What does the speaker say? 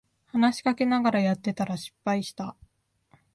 話しかけられながらやってたら失敗した